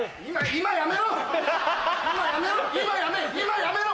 今やめろ！